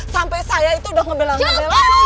sampai saya itu udah ngebelang belang